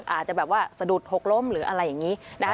อาจจะแบบว่าสะดุดหกล้มหรืออะไรอย่างนี้นะคะ